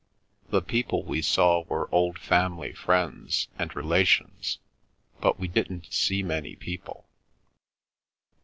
The people we saw were old family friends, and relations, but we didn't see many people.